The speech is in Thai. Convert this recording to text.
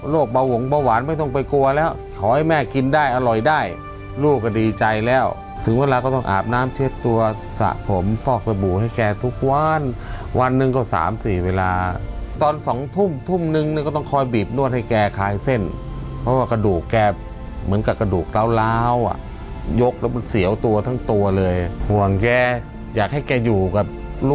เบาหงเบาหวานไม่ต้องไปกลัวแล้วขอให้แม่กินได้อร่อยได้ลูกก็ดีใจแล้วถึงเวลาก็ต้องอาบน้ำเช็ดตัวสระผมฟอกสบู่ให้แกทุกวันวันหนึ่งก็สามสี่เวลาตอน๒ทุ่มทุ่มนึงเนี่ยก็ต้องคอยบีบนวดให้แกคลายเส้นเพราะว่ากระดูกแกเหมือนกับกระดูกล้าวอ่ะยกแล้วมันเสียวตัวทั้งตัวเลยห่วงแกอยากให้แกอยู่กับลูก